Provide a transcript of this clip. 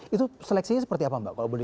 itu seleksinya seperti apa